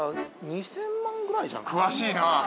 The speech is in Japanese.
詳しいな！